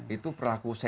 itu perlaku seks bebas